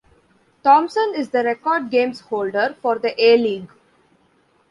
Thompson is the record games holder for the A- league.